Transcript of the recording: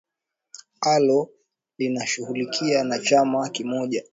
alo linashughulika na chama kimoja